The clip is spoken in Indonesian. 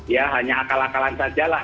ya hanya akal akalan saja lah